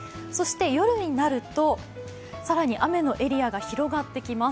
夜になると更に雨のエリアが広がってきます。